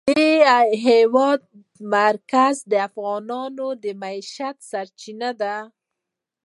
د هېواد مرکز د افغانانو د معیشت سرچینه ده.